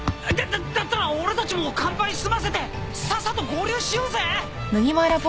だだったら俺たちも乾杯済ませてさっさと合流しようぜ！